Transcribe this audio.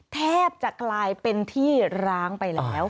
แทบจะกลายเป็นที่ร้างไปแล้ว